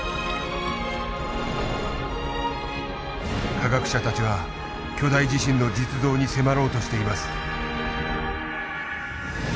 科学者たちは巨大地震の実像に迫ろうとしています。